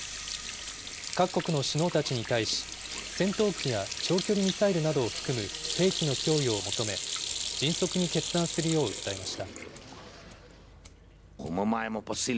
各国の首脳たちに対し、戦闘機や長距離ミサイルなどを含む兵器の供与を求め、迅速に決断するよう訴えました。